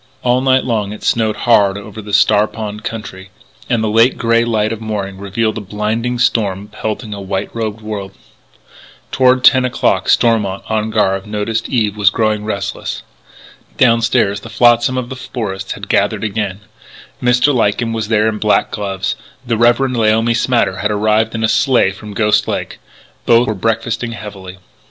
All night long it snowed hard over the Star Pond country, and the late grey light of morning revealed a blinding storm pelting a white robed world. Toward ten o'clock, Stormont, on guard, noticed that Eve was growing restless. Downstairs the flotsam of the forest had gathered again: Mr. Lyken was there in black gloves; the Reverend Laomi Smatter had arrived in a sleigh from Ghost Lake. Both were breakfasting heavily.